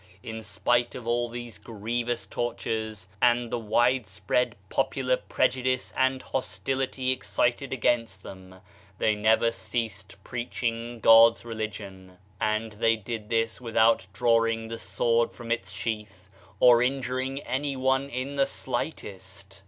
In spite of all these grievous tortures and the widespread popu lar prejudice and hostility excited against them, they never ceased preaching God's religion, and S2 Digitized by Google OF CIVILIZATION they did this without drawing the sword from its sheath, or injuring anyone in the slightest.